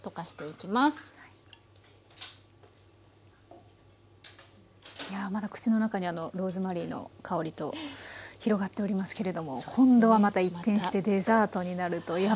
いやまだ口の中にあのローズマリーの香りと広がっておりますけれども今度はまた一転してデザートになるという。